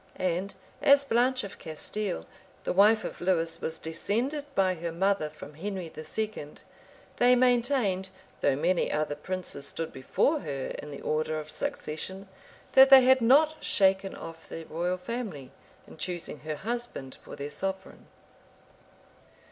And as Blanche of Castile, the wife of Lewis, was descended by her mother from Henry II., they maintained, though many other princes stood before her in the order of succession, that they had not shaken off the royal family, in choosing her husband for their sovereign.